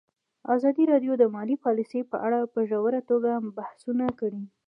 ازادي راډیو د مالي پالیسي په اړه په ژوره توګه بحثونه کړي.